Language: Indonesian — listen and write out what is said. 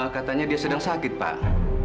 katanya dia sedang sakit pak